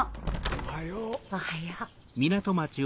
おはよう。